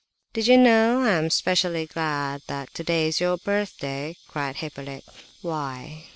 "Do you know I am specially glad that today is your birthday!" cried Hippolyte. "Why?"